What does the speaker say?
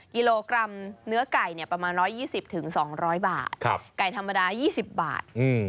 กิโลกรัมเนื้อไก่เนี่ยประมาณร้อยยี่สิบถึงสองร้อยบาทครับไก่ธรรมดายี่สิบบาทอืม